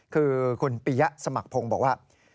คือคุณปียะสมัครพงศ์บอกว่า